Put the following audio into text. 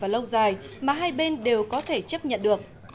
và lâu dài mà hai bên đều có thể chấp nhận được